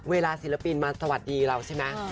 ศิลปินมาสวัสดีเราใช่ไหม